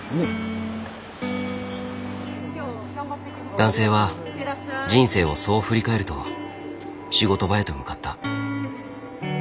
男性は人生をそう振り返ると仕事場へと向かった。